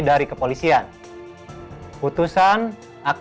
sambil mencenang pesawat